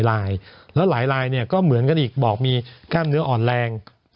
ลายแล้วหลายลายเนี่ยก็เหมือนกันอีกบอกมีกล้ามเนื้ออ่อนแรง